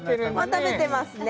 もう食べてますね